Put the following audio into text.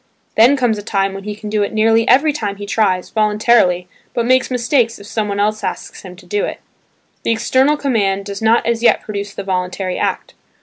Then comes a time when he can do it nearly every time he tries voluntarily but makes mistakes if someone else asks him to do it. The external command does not as yet produce the voluntary act.